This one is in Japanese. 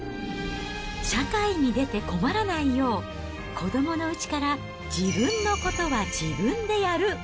社会に出て困らないよう、子どものうちから自分のことは自分でやる。